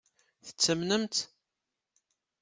Tettamnem-tt?